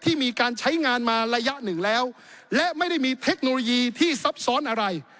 มีการใช้งานมาระยะหนึ่งแล้วและไม่ได้มีเทคโนโลยีที่ซับซ้อนอะไร